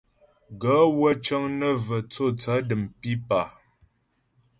Gaə̌ wə́ cə́ŋ nə́ və tsô tsaə̌ də̀m pípà.